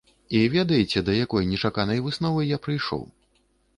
І ведаеце, да якой нечаканай высновы я прыйшоў?